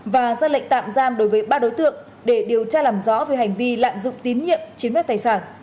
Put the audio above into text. và ra lệnh tạm giam đối với ba đối tượng để điều tra làm rõ về hành vi lạm dụng tín nhiệm chiếm đất tài sản